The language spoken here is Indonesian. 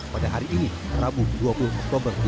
pada hari ini rabu dua puluh oktober dua ribu dua